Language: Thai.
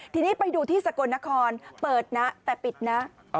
ทีนี้ไปดูที่สกลนครเปิดนะแต่ปิดนะ